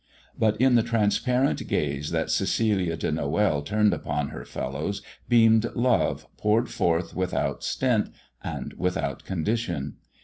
But in the transparent gaze that Cecilia de Noël turned upon her fellows beamed love poured forth without stint and without condition.